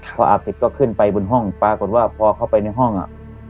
พออาบเสร็จก็ขึ้นไปบนห้องปรากฏว่าพอเข้าไปในห้องอ่ะ